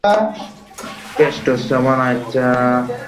আমার গ্যালারির কর্মচারী আর একটা মাত্র চেকবুক হারিয়েছে?